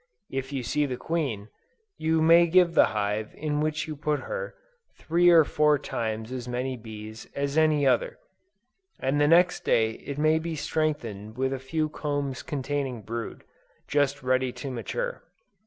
If you see the queen, you may give the hive in which you put her, three or four times as many bees as any other; and the next day it may be strengthened with a few combs containing brood, just ready to mature.